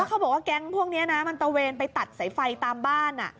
เขาบอกว่าแก๊งพวกนี้นะมันตะเวนไปตัดสายไฟตามบ้าน